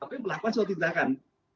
ini melakukan suatu tindakan